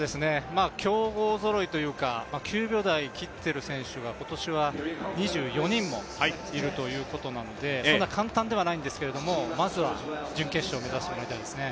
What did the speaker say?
強豪ぞろいというか、９秒台を切っている選手が今年は２４人もいるということなのでそんなに簡単ではないんですけど、まずは準決勝を目指してもらいたいですね。